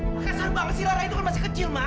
perasaan banget sih lara itu kan masih kecil ma